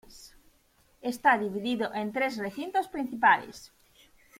Está dividido en tres recintos principales.